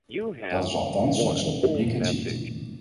Dat is althans zoals het publiek het ziet.